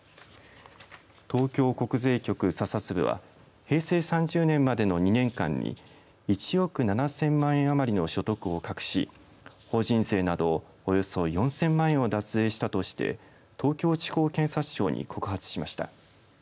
東京国税局査察部は平成３０年までの２年間に１億７０００万円余りの所得を隠し法人税などおよそ４０００万円を脱税したとして東京地方検察庁に告発しました。